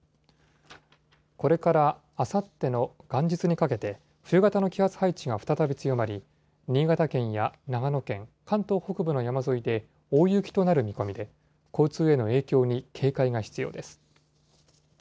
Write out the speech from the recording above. これからあさっての元日にかけて、冬型の気圧配置が再び強まり、新潟県や長野県、関東北部の山沿いで大雪となる見込みで、交通への影響に警戒が必要です。